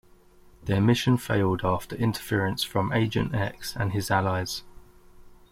Their mission failed after interference from Agent X and his allies.